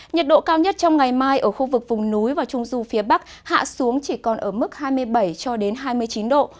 nhiệt độ cao nhất trong ngày mai ở khu vực vùng núi và trung du phía bắc hạ xuống chỉ còn ở mức hai mươi bảy cho đến hai mươi chín độ